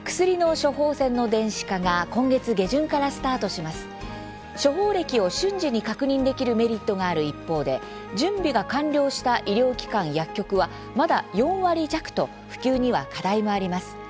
処方歴を瞬時に確認できるメリットがある一方で準備が完了した医療機関、薬局はまだ４割弱と普及には課題もあります。